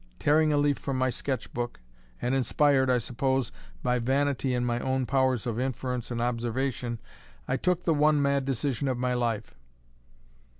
Tearing a leaf from my sketch book, and inspired (I suppose) by vanity in my own powers of inference and observation, I took the one mad decision of my life.